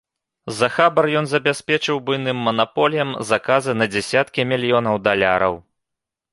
За хабар ён забяспечыў буйным манаполіям заказы на дзесяткі мільёнаў даляраў.